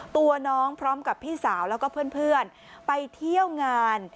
ตัวน้องพร้อมกับพี่สาวแล้วก็เพื่อนไปเที่ยวงาน